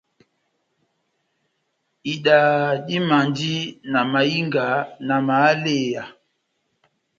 Idaha dimandi na mahinga, na mahaleya.